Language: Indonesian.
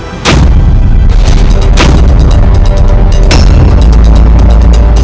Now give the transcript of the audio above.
kau tidak akan menang